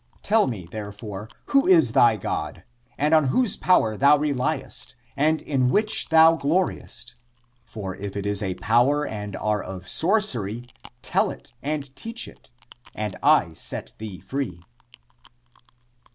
Tell me, therefore, who thy God is, and on whose power thou reliest and in which thou gloriest? For if it is a power and are of sorcery, tell it and teach it, and I set thee free."